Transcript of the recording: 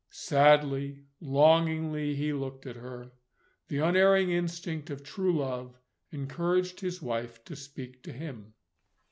Sadly, longingly, he looked at her. The unerring instinct of true love encouraged his wife to speak to him.